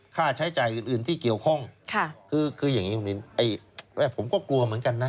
ค่าใช้จ่ายอื่นที่เกี่ยวข้องคืออย่างนี้ผมก็กลัวเหมือนกันนะ